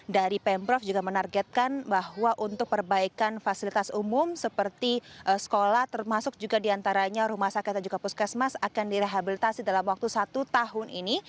dari pemprov juga menargetkan bahwa untuk perbaikan fasilitas umum seperti sekolah termasuk juga diantaranya rumah sakit dan juga puskesmas akan direhabilitasi dalam waktu satu tahun ini